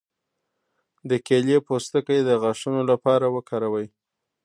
د کیلې پوستکی د غاښونو لپاره وکاروئ